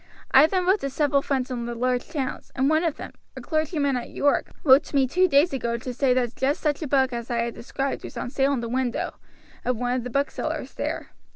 I then wrote to several friends in the large towns, and one of them, a clergyman at York, wrote to me two days ago to say that just such a book as I had described was on sale in the window of one of the booksellers there.